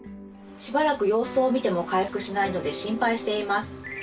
しばらく様子を見ても回復しないので心配しています。